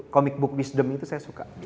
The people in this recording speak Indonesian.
comic book wisdom itu saya suka